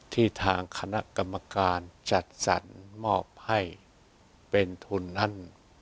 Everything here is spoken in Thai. ทางคณะกรรมการจัดสรรมอบให้เป็นทุนท่าน